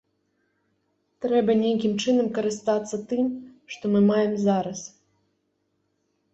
Трэба нейкім чынам карыстацца тым, што мы маем зараз.